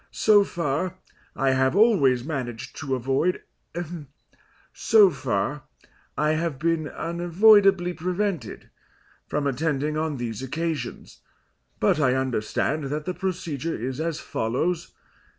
So far, I have always managed to avoid so far, I have been unavoidably prevented from attending on these occasions, but I understand that the procedure is as follows.